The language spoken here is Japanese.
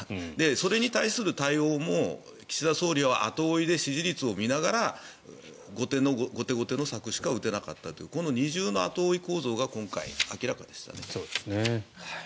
それに対する対応も岸田総理は後追いで支持率を見ながら後手後手の策しか打てなかったというこの二重の後追い構造が今回、明らかでしたね。